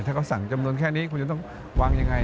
ถ้าเขาสั่งจำนวนแค่นี้คุณจะต้องวางยังไง